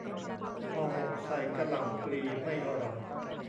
ห่อหมกใส่กะหล่ำปลี ไม่อร่อย